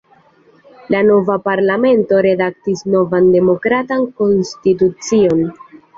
La nova Parlamento redaktis novan demokratan konstitucion.